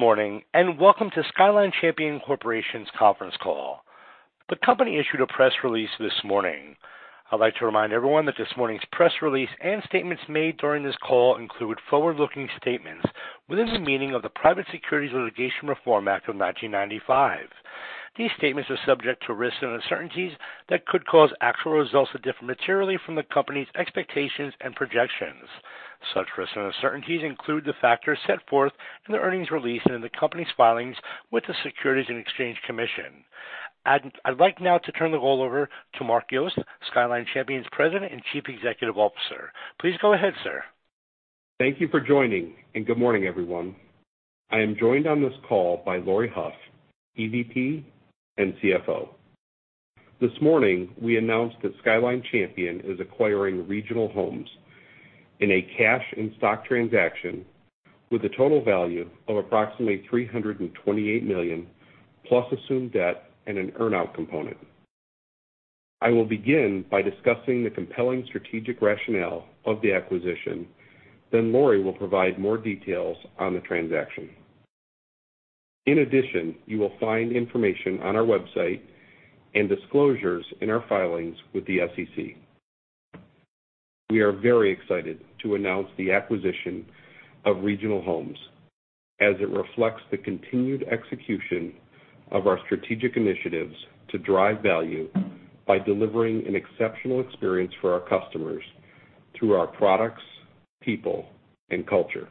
Good morning, and welcome to Skyline Champion Corporation's conference call. The company issued a press release this morning. I'd like to remind everyone that this morning's press release and statements made during this call include forward-looking statements within the meaning of the Private Securities Litigation Reform Act of 1995. These statements are subject to risks and uncertainties that could cause actual results to differ materially from the company's expectations and projections. Such risks and uncertainties include the factors set forth in the earnings release and in the company's filings with the Securities and Exchange Commission. I'd like now to turn the call over to Mark Yost, Skyline Champion's President and Chief Executive Officer. Please go ahead, sir. Thank you for joining, and good morning, everyone. I am joined on this call by Laurie Hough, EVP and CFO. This morning, we announced that Skyline Champion is acquiring Regional Homes in a cash and stock transaction with a total value of approximately $328 million, plus assumed debt and an earn-out component. I will begin by discussing the compelling strategic rationale of the acquisition, then Laurie will provide more details on the transaction. In addition, you will find information on our website and disclosures in our filings with the SEC. We are very excited to announce the acquisition of Regional Homes as it reflects the continued execution of our strategic initiatives to drive value by delivering an exceptional experience for our customers through our products, people, and culture.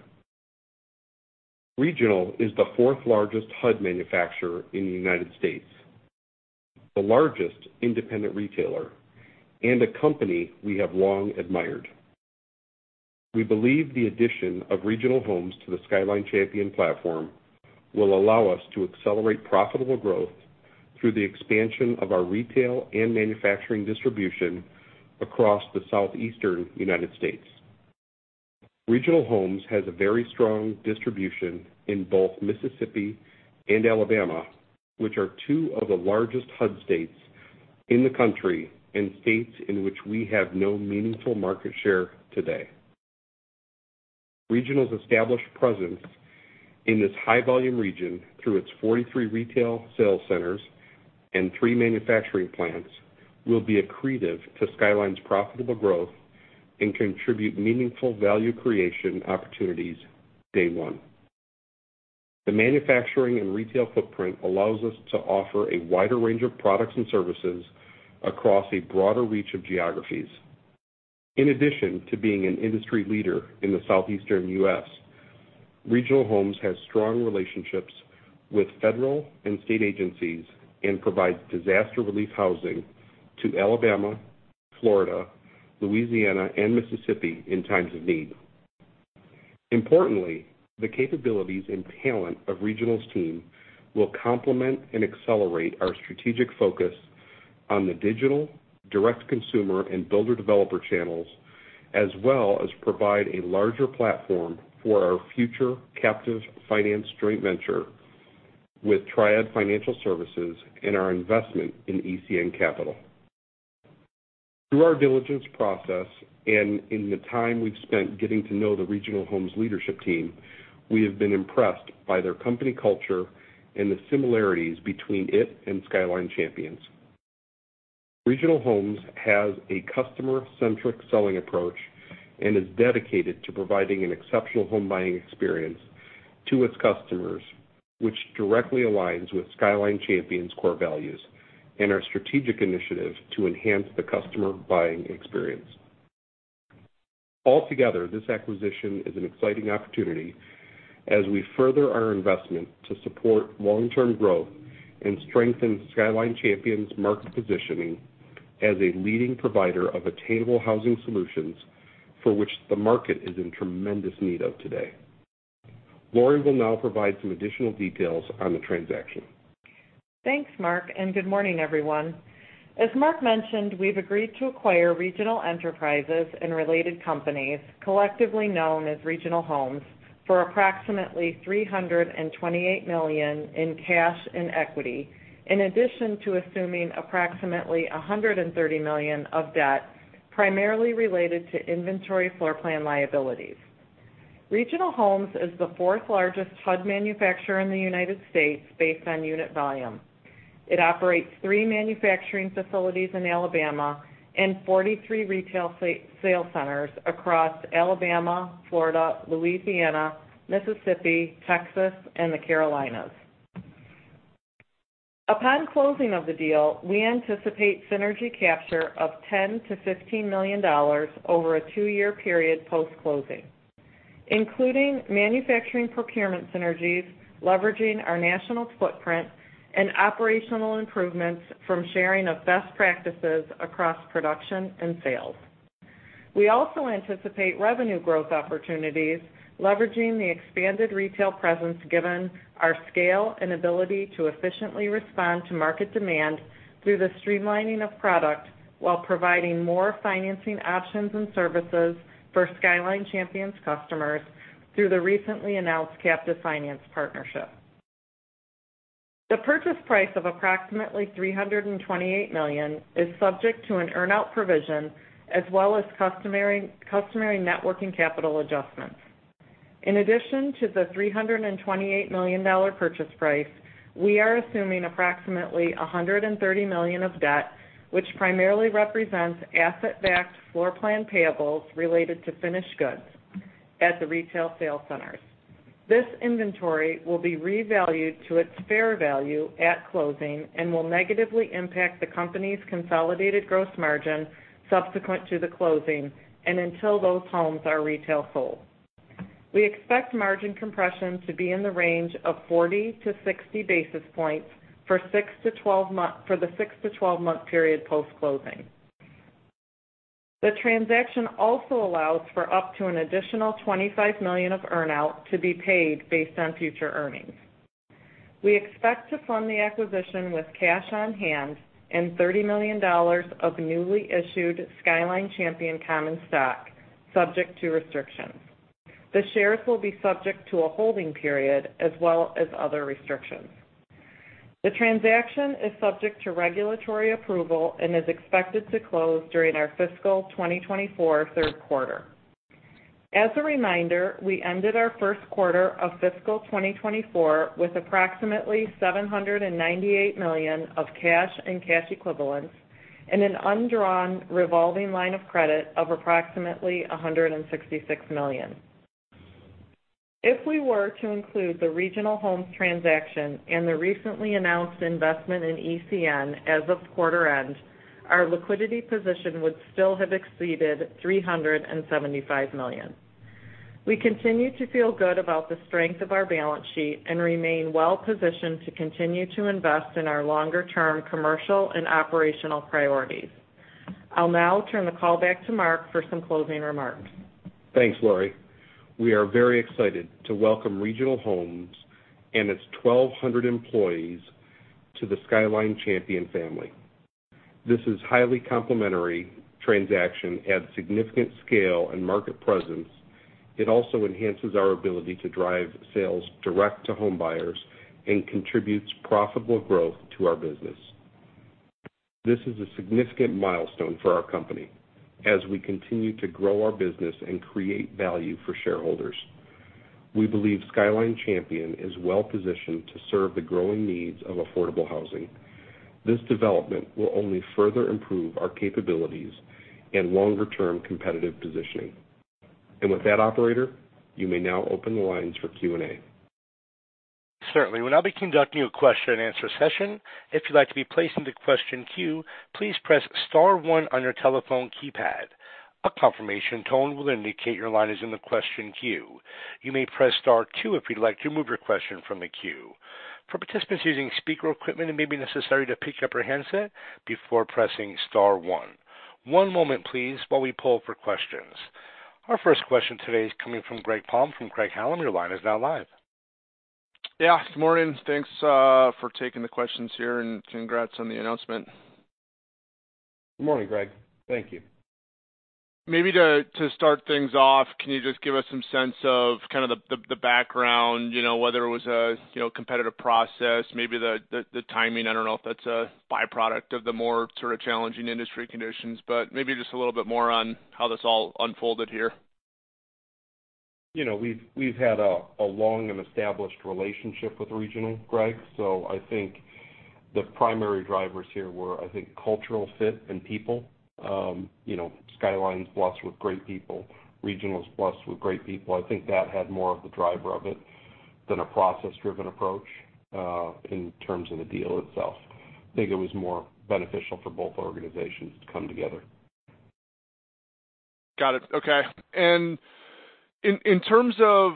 Regional is the fourth-largest HUD manufacturer in the United States, the largest independent retailer, and a company we have long admired. We believe the addition of Regional Homes to the Skyline Champion platform will allow us to accelerate profitable growth through the expansion of our retail and manufacturing distribution across the Southeastern United States. Regional Homes has a very strong distribution in both Mississippi and Alabama, which are two of the largest HUD states in the country and states in which we have no meaningful market share today. Regional's established presence in this high-volume region through its 43 retail sales centers and three manufacturing plants will be accretive to Skyline's profitable growth and contribute meaningful value creation opportunities day one. The manufacturing and retail footprint allows us to offer a wider range of products and services across a broader reach of geographies. In addition to being an industry leader in the Southeastern U.S., Regional Homes has strong relationships with federal and state agencies and provides disaster relief housing to Alabama, Florida, Louisiana, and Mississippi in times of need. Importantly, the capabilities and talent of Regional's team will complement and accelerate our strategic focus on the digital, direct consumer, and builder-developer channels, as well as provide a larger platform for our future Captive Finance joint venture with Triad Financial Services and our investment in ECN Capital. Through our diligence process and in the time we've spent getting to know the Regional Homes leadership team, we have been impressed by their company culture and the similarities between it and Skyline Champion. Regional Homes has a customer-centric selling approach and is dedicated to providing an exceptional home buying experience to its customers, which directly aligns with Skyline Champion's core values and our strategic initiative to enhance the customer buying experience. Altogether, this acquisition is an exciting opportunity as we further our investment to support long-term growth and strengthen Skyline Champion's market positioning as a leading provider of attainable housing solutions, for which the market is in tremendous need of today. Laurie will now provide some additional details on the transaction. Thanks, Mark, and good morning, everyone. As Mark mentioned, we've agreed to acquire Regional Enterprises and related companies, collectively known as Regional Homes, for approximately $328 million in cash and equity, in addition to assuming approximately $130 million of debt, primarily related to inventory floor plan liabilities. Regional Homes is the fourth-largest HUD manufacturer in the United States based on unit volume. It operates 3 manufacturing facilities in Alabama and 43 retail sales centers across Alabama, Florida, Louisiana, Mississippi, Texas, and the Carolinas. Upon closing of the deal, we anticipate synergy capture of $10 million-$15 million over a two-year period post-closing, including manufacturing procurement synergies, leveraging our national footprint, and operational improvements from sharing of best practices across production and sales. We also anticipate revenue growth opportunities, leveraging the expanded retail presence, given our scale and ability to efficiently respond to market demand through the streamlining of product, while providing more financing options and services for Skyline Champion's customers through the recently announced Captive Finance partnership. The purchase price of approximately $328 million is subject to an earn-out provision, as well as customary net working capital adjustments. In addition to the $328 million purchase price, we are assuming approximately $130 million of debt, which primarily represents asset-backed floor plan payables related to finished goods at the retail sales centers. This inventory will be revalued to its fair value at closing and will negatively impact the company's consolidated gross margin subsequent to the closing and until those homes are retail sold. We expect margin compression to be in the range of 40-60 basis points for the six to 12-month period post-closing. The transaction also allows for up to an additional $25 million of earn-out to be paid based on future earnings. We expect to fund the acquisition with cash on hand and $30 million of newly issued Skyline Champion common stock, subject to restrictions. The shares will be subject to a holding period as well as other restrictions. The transaction is subject to regulatory approval and is expected to close during our fiscal 2024 third quarter. As a reminder, we ended our first quarter of fiscal 2024 with approximately $798 million of cash and cash equivalents and an undrawn revolving line of credit of approximately $166 million. If we were to include the Regional Homes transaction and the recently announced investment in ECN as of quarter end, our liquidity position would still have exceeded $375 million. We continue to feel good about the strength of our balance sheet and remain well positioned to continue to invest in our longer-term commercial and operational priorities. I'll now turn the call back to Mark for some closing remarks. Thanks, Laurie. We are very excited to welcome Regional Homes and its 1,200 employees to the Skyline Champion family. This is highly complementary transaction, adds significant scale and market presence. It also enhances our ability to drive sales direct to home buyers and contributes profitable growth to our business. This is a significant milestone for our company as we continue to grow our business and create value for shareholders. We believe Skyline Champion is well positioned to serve the growing needs of affordable housing. This development will only further improve our capabilities and longer-term competitive positioning. And with that, operator, you may now open the lines for Q&A. Certainly. We'll now be conducting a question-and-answer session. If you'd like to be placed in the question queue, please press star one on your telephone keypad. A confirmation tone will indicate your line is in the question queue. You may press Star two if you'd like to remove your question from the queue. For participants using speaker equipment, it may be necessary to pick up your handset before pressing Star one. One moment, please, while we pull for questions. Our first question today is coming from Greg Palm from Craig-Hallum. Your line is now live. Yeah, good morning. Thanks, for taking the questions here, and congrats on the announcement. Good morning, Greg. Thank you. Maybe to start things off, can you just give us some sense of kind of the background, you know, whether it was a competitive process, maybe the timing? I don't know if that's a byproduct of the more sort of challenging industry conditions, but maybe just a little bit more on how this all unfolded here. You know, we've had a long and established relationship with Regional, Greg, so I think the primary drivers here were, I think, cultural fit and people. You know, Skyline's blessed with great people. Regional is blessed with great people. I think that had more of the driver of it than a process-driven approach in terms of the deal itself. I think it was more beneficial for both organizations to come together. Got it. Okay. In terms of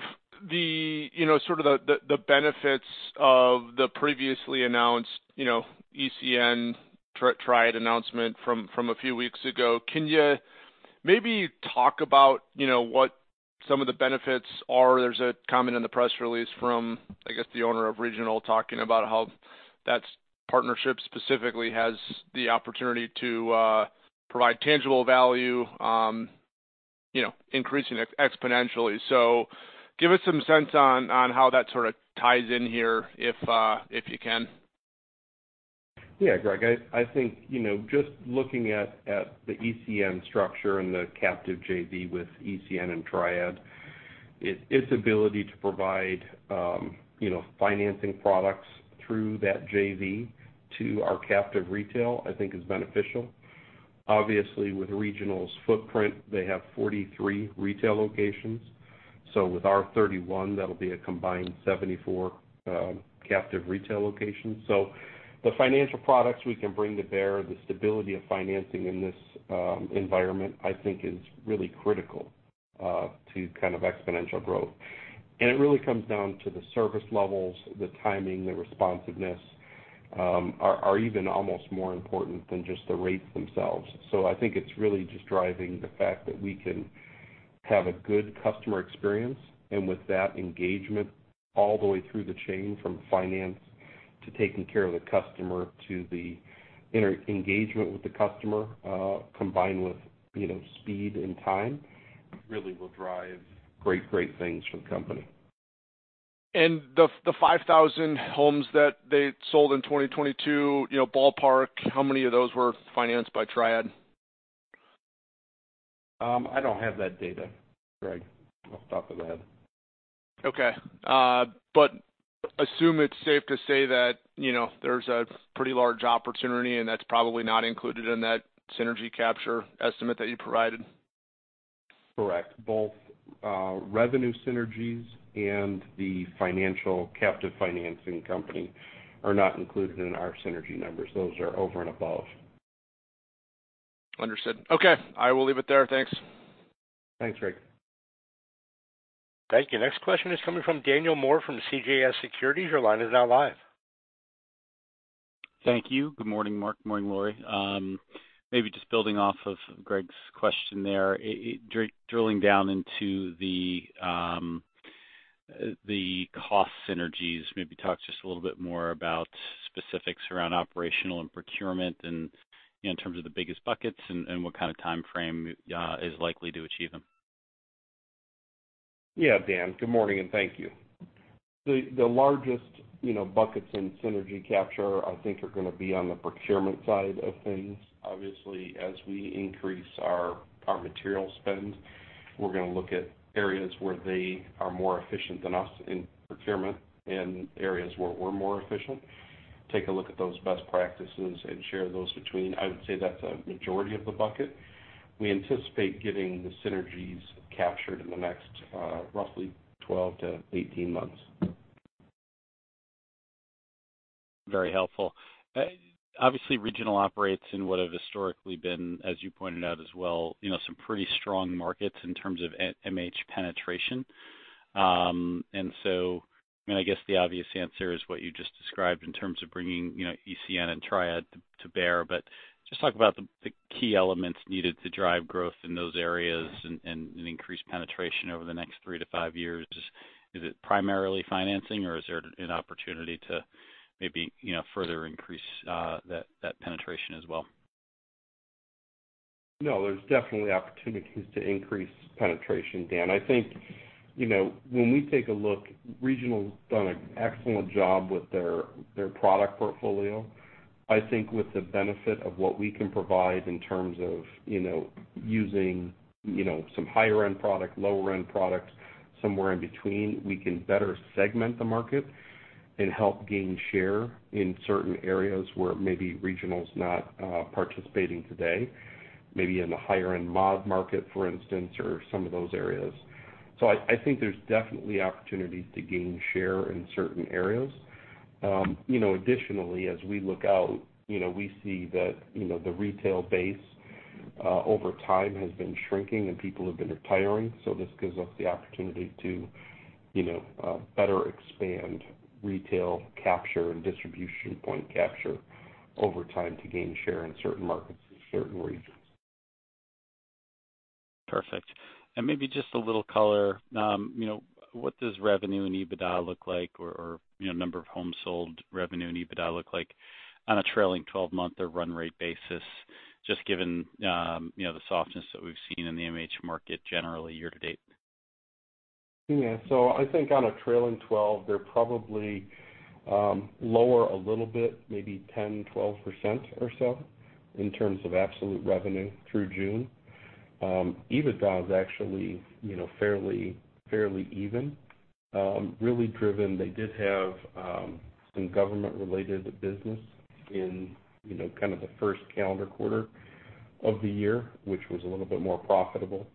the, you know, sort of the benefits of the previously announced, you know, ECN Triad announcement from a few weeks ago, can you maybe talk about, you know, what some of the benefits are? There's a comment in the press release from, I guess, the owner of Regional, talking about how that partnership specifically has the opportunity to provide tangible value, you know, increasing exponentially. So give us some sense on how that sort of ties in here, if you can. Yeah, Greg, I think, you know, just looking at the ECN structure and the captive JV with ECN and Triad, its ability to provide, you know, financing products through that JV to our captive retail, I think is beneficial. Obviously, with Regional's footprint, they have 43 retail locations. So with our 31, that'll be a combined 74, captive retail locations. So the financial products we can bring to bear, the stability of financing in this environment, I think is really critical to kind of exponential growth. And it really comes down to the service levels, the timing, the responsiveness, are even almost more important than just the rates themselves. So I think it's really just driving the fact that we can have a good customer experience, and with that, engagement all the way through the chain, from finance to taking care of the customer to the inter-engagement with the customer, combined with, you know, speed and time... really will drive great, great things for the company. The 5,000 homes that they sold in 2022, you know, ballpark, how many of those were financed by Triad? I don't have that data, Greg, off the top of my head. Okay. But assume it's safe to say that, you know, there's a pretty large opportunity, and that's probably not included in that synergy capture estimate that you provided? Correct. Both revenue synergies and the financial captive financing company are not included in our synergy numbers. Those are over and above. Understood. Okay, I will leave it there. Thanks. Thanks, Greg. Thank you. Next question is coming from Daniel Moore from CJS Securities. Your line is now live. Thank you. Good morning, Mark. Good morning, Laurie. Maybe just building off of Greg's question there, drilling down into the cost synergies, maybe talk just a little bit more about specifics around operational and procurement and in terms of the biggest buckets and what kind of time frame is likely to achieve them. Yeah, Daniel, good morning, and thank you. The largest, you know, buckets in synergy capture, I think, are going to be on the procurement side of things. Obviously, as we increase our material spend, we're going to look at areas where they are more efficient than us in procurement and areas where we're more efficient, take a look at those best practices and share those between. I would say that's a majority of the bucket. We anticipate getting the synergies captured in the next, roughly 12-18 months. Very helpful. Obviously, Regional operates in what have historically been, as you pointed out as well, you know, some pretty strong markets in terms of MH penetration. And so, I mean, I guess the obvious answer is what you just described in terms of bringing, you know, ECN and Triad to bear, but just talk about the key elements needed to drive growth in those areas and increased penetration over the next three-five years. Is it primarily financing, or is there an opportunity to maybe, you know, further increase that penetration as well? No, there's definitely opportunities to increase penetration, Daniel. I think, you know, when we take a look, Regional's done an excellent job with their product portfolio. I think with the benefit of what we can provide in terms of, you know, using, you know, some higher-end product, lower-end products, somewhere in between, we can better segment the market and help gain share in certain areas where maybe Regional's not participating today, maybe in the higher-end mod market, for instance, or some of those areas. So I think there's definitely opportunities to gain share in certain areas. You know, additionally, as we look out, you know, we see that, you know, the retail base over time has been shrinking and people have been retiring, so this gives us the opportunity to, you know, better expand retail capture and distribution point capture over time to gain share in certain markets and certain regions. Perfect. And maybe just a little color, you know, what does revenue and EBITDA look like, or, or, you know, number of homes sold, revenue and EBITDA look like on a trailing twelve-month or run rate basis, just given, you know, the softness that we've seen in the MH market generally year to date? Yeah. So I think on a trailing twelve, they're probably lower a little bit, maybe 10%-12% or so in terms of absolute revenue through June. EBITDA is actually, you know, fairly, fairly even, really driven... They did have some government-related business in, you know, kind of the first calendar quarter of the year, which was a little bit more profitable.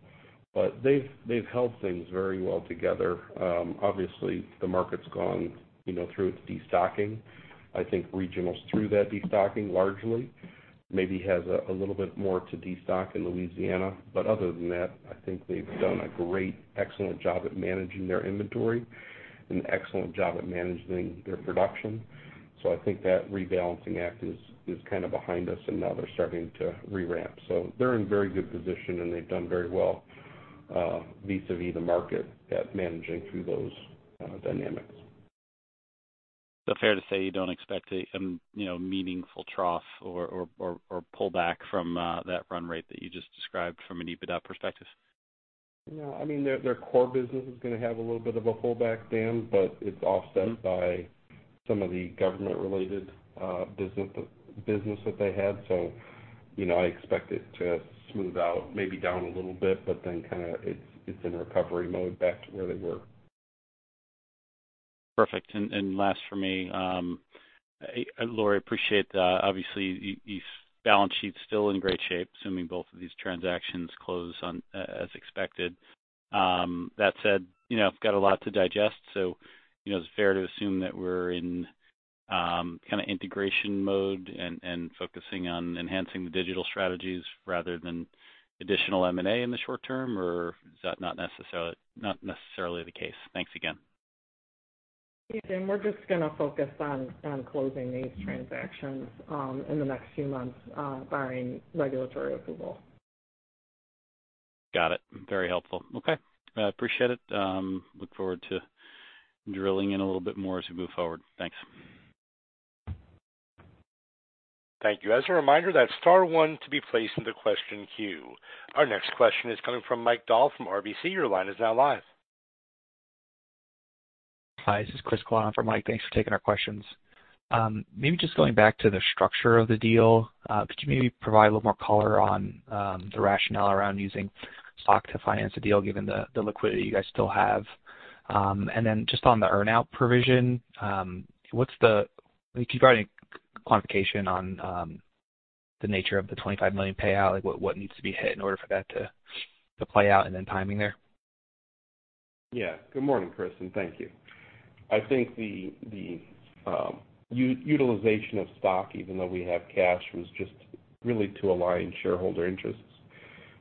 But they've, they've held things very well together. Obviously, the market's gone, you know, through its destocking. I think Regional's through that destocking largely, maybe has a little bit more to destock in Louisiana. But other than that, I think they've done a great, excellent job at managing their inventory and excellent job at managing their production. So I think that rebalancing act is, is kind of behind us, and now they're starting to re-ramp. They're in very good position, and they've done very well, vis-a-vis the market at managing through those dynamics. So fair to say you don't expect a, you know, meaningful trough or pullback from that run rate that you just described from an EBITDA perspective? No. I mean, their core business is going to have a little bit of a pullback, Daniel, but it's offset by some of the government-related business that they had. So, you know, I expect it to smooth out, maybe down a little bit, but then kind of it's in recovery mode back to where they were. Perfect. And, and last for me, Laurie, appreciate the-- obviously, these balance sheets still in great shape, assuming both of these transactions close on, as expected. That said, you know, got a lot to digest, so, you know, is it fair to assume that we're in, kind of integration mode and, and focusing on enhancing the digital strategies rather than additional M&A in the short term, or is that not necessarily, not necessarily the case? Thanks again. Hey, Daniel, we're just going to focus on closing these transactions in the next few months, barring regulatory approval. Got it. Very helpful. Okay. I appreciate it. Look forward to drilling in a little bit more as we move forward. Thanks. ... Thank you. As a reminder, that's star one to be placed into question queue. Our next question is coming from Mike Dahl from RBC. Your line is now live. Hi, this is Chris Colon for Mike. Thanks for taking our questions. Maybe just going back to the structure of the deal, could you maybe provide a little more color on the rationale around using stock to finance the deal, given the liquidity you guys still have? And then just on the earn-out provision, what's the? Can you provide any quantification on the nature of the $25 million payout? Like, what needs to be hit in order for that to play out, and then timing there? Yeah. Good morning, Chris, and thank you. I think the utilization of stock, even though we have cash, was just really to align shareholder interests.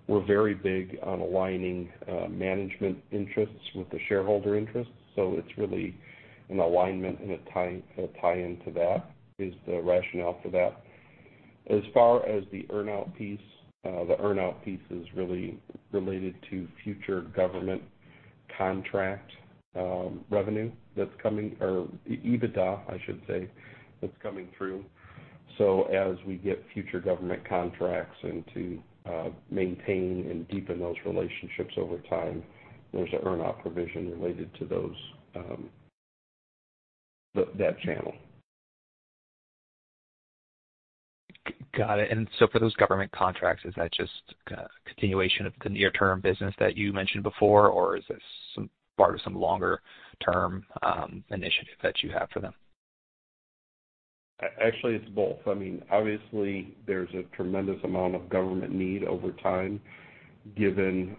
We're very big on aligning management interests with the shareholder interests, so it's really an alignment and a tie-in to that is the rationale for that. As far as the earn-out piece, the earn-out piece is really related to future government contract revenue that's coming or EBITDA, I should say, that's coming through. So as we get future government contracts and to maintain and deepen those relationships over time, there's an earn-out provision related to those that channel. Got it. And so for those government contracts, is that just a continuation of the near-term business that you mentioned before, or is this some part of some longer-term initiative that you have for them? Actually, it's both. I mean, obviously, there's a tremendous amount of government need over time, given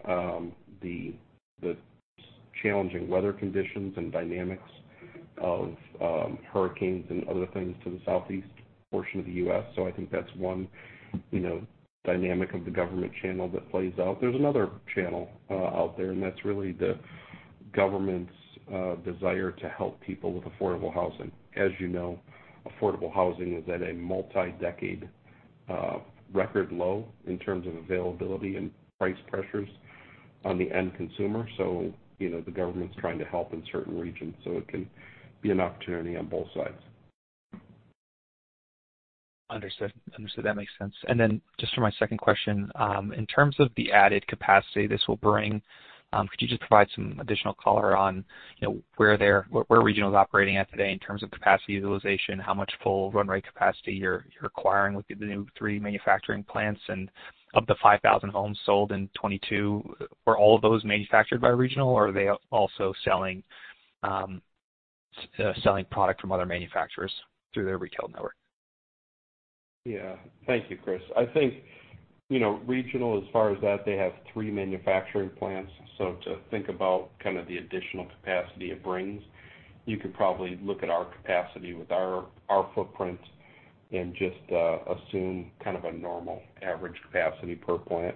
the challenging weather conditions and dynamics of hurricanes and other things to the southeast portion of the U.S. So I think that's one, you know, dynamic of the government channel that plays out. There's another channel out there, and that's really the government's desire to help people with affordable housing. As you know, affordable housing is at a multi-decade record low in terms of availability and price pressures on the end consumer. So, you know, the government's trying to help in certain regions, so it can be an opportunity on both sides. Understood. Understood. That makes sense. And then just for my second question, in terms of the added capacity this will bring, could you just provide some additional color on, you know, where Regional is operating at today in terms of capacity utilization, how much full run rate capacity you're acquiring with the new three manufacturing plants? And of the 5,000 homes sold in 2022, were all of those manufactured by Regional, or are they also selling product from other manufacturers through their retail network? Yeah. Thank you, Chris. I think, you know, Regional, as far as that, they have three manufacturing plants. So to think about kind of the additional capacity it brings, you could probably look at our capacity with our footprint and just assume kind of a normal average capacity per plant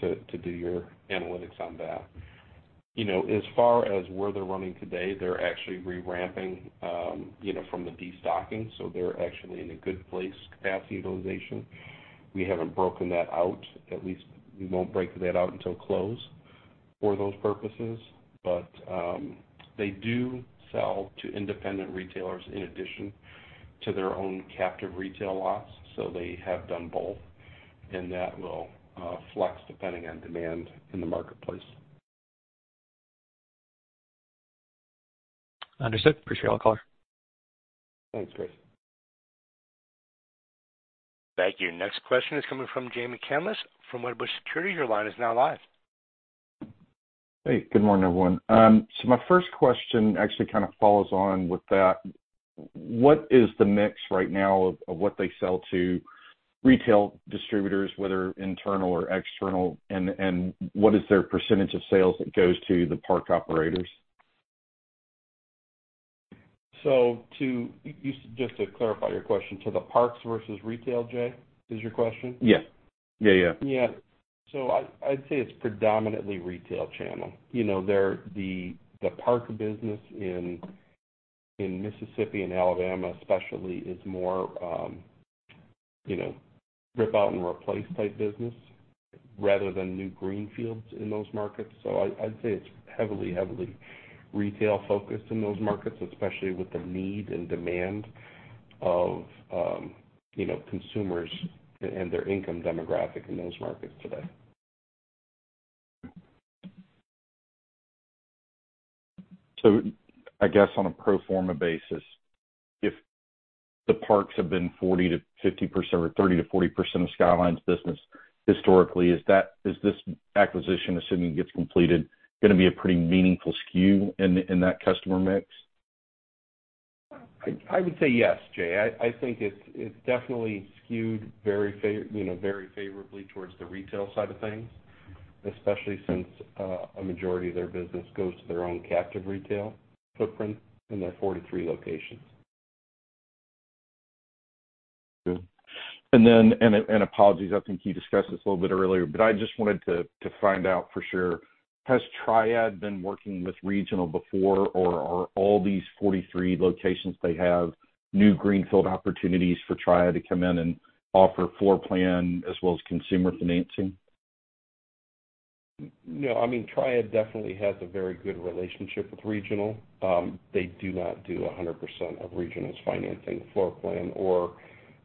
to do your analytics on that. You know, as far as where they're running today, they're actually reramping, you know, from the destocking, so they're actually in a good place, capacity utilization. We haven't broken that out. At least we won't break that out until close for those purposes. But they do sell to independent retailers in addition to their own captive retail lots, so they have done both, and that will flex depending on demand in the marketplace. Understood. Appreciate all the color. Thanks, Chris. Thank you. Next question is coming from Jay McCandless from Wedbush Securities. Your line is now live. Hey, good morning, everyone. So my first question actually kind of follows on with that. What is the mix right now of, of what they sell to retail distributors, whether internal or external, and, and what is their percentage of sales that goes to the park operators? Just to clarify your question, so the parks versus retail, Jay, is your question? Yes. Yeah, yeah. Yeah. So I'd say it's predominantly retail channel. You know, they're the park business in Mississippi and Alabama especially, is more, you know, rip out and replace type business rather than new greenfields in those markets. So I'd say it's heavily, heavily retail-focused in those markets, especially with the need and demand of, you know, consumers and their income demographic in those markets today. So, I guess on a pro forma basis, if the parks have been 40%-50% or 30%-40% of Skyline's business historically, is that, is this acquisition, assuming it gets completed, going to be a pretty meaningful skew in, in that customer mix? I would say yes, Jay. I think it's definitely skewed very favorably towards the retail side of things, especially since a majority of their business goes to their own captive retail footprint in their 43 locations. Good. And then, apologies, I think you discussed this a little bit earlier, but I just wanted to find out for sure. Has Triad been working with Regional before, or are all these 43 locations they have new greenfield opportunities for Triad to come in and offer floor plan as well as consumer financing? No. I mean, Triad definitely has a very good relationship with Regional. They do not do 100% of Regional's financing, floor plan or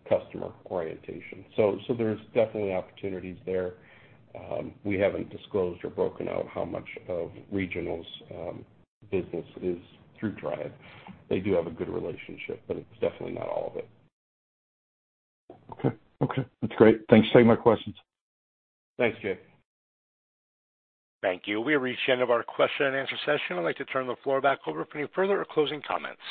customer orientation. So there's definitely opportunities there. We haven't disclosed or broken out how much of Regional's business is through Triad. They do have a good relationship, but it's definitely not all of it. Okay. Okay, that's great. Thanks for taking my questions. Thanks, Jay. Thank you. We've reached the end of our question and answer session. I'd like to turn the floor back over for any further or closing comments.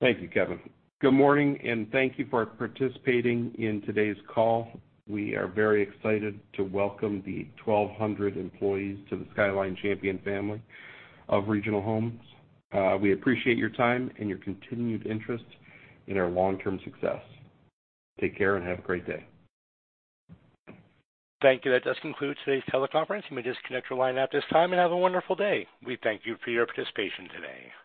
Thank you, Kevin. Good morning, and thank you for participating in today's call. We are very excited to welcome the 1,200 employees to the Skyline Champion family of Regional Homes. We appreciate your time and your continued interest in our long-term success. Take care and have a great day. Thank you. That does conclude today's teleconference. You may disconnect your line at this time and have a wonderful day. We thank you for your participation today.